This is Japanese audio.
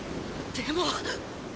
でも！